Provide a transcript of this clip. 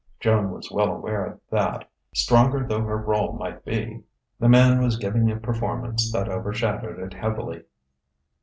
Joan was well aware that, stronger though her rôle might be, the man was giving a performance that overshadowed it heavily.